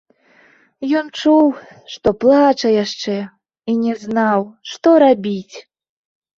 Ён чуў, што плача яшчэ, і не знаў, што рабіць.